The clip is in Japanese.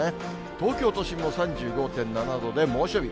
東京都心も３５．７度で猛暑日。